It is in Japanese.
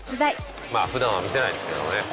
まあ普段は見せないですけどね。